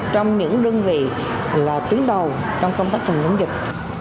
trong những đơn vị là tuyến đầu trong công tác phòng chống dịch